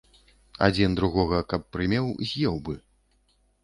Адзін другога, каб прымеў, з'еў бы.